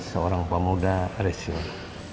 seorang pemuda resiona